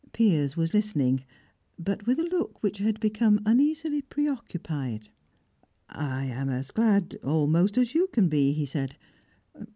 Piers was listening, but with a look which had become uneasily preoccupied. "I am as glad, almost, as you can be," he said.